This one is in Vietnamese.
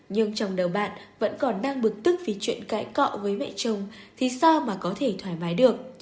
nhưng chồng đầu bạn vẫn còn đang bực tức vì chuyện cãi cọ với mẹ chồng thì sao mà có thể thoải mái được